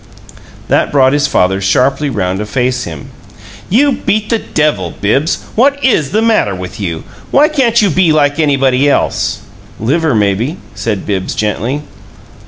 That brought his father sharply round to face him. "You beat the devil! Bibbs, what IS the matter with you? Why can't you be like anybody else?" "Liver, maybe," said Bibbs, gently.